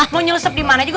mau nyelesep dimana juga